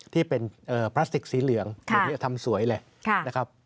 ที่เป็นพลาสติกสีเหลืองทำสวยเลย